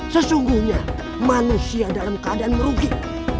sesungguhnya manusia dalam keadaan merugi